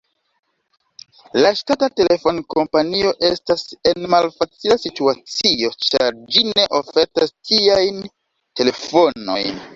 La ŝtata telefonkompanio estas en malfacila situacio, ĉar ĝi ne ofertas tiajn telefonojn.